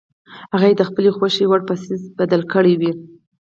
هغه یې د خپلې خوښې وړ په څیز بدل کړی وي.